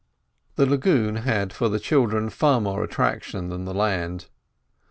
The lagoon had for the children far more attraction than the land.